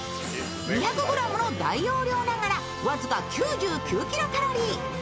２００ｇの大容量ながら僅か９９キロカロリー。